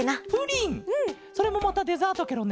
それもまたデザートケロね。